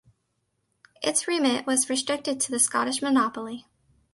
Its remit was restricted to the Scottish monopoly.